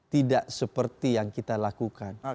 tidak seperti yang kita lakukan